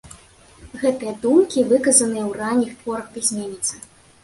Гэтыя думкі выказаныя ў ранніх творах пісьменніцы.